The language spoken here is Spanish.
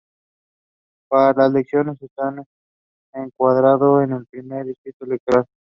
Para las elecciones está encuadrado en el Primer Distrito Electoral.